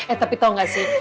eh tapi tau gak sih